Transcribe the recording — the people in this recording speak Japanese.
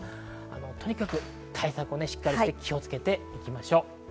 とにかく対策をしっかりして気をつけていきましょう。